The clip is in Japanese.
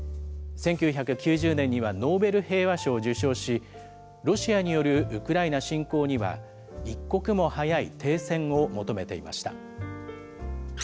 １９９０年にはノーベル平和賞を受賞し、ロシアによるウクライナ侵攻には一刻も早い停戦を求めていました。